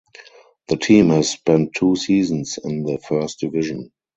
The team has spent two seasons in the first division.